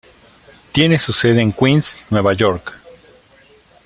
Tiene su sede en Queens, Nueva York.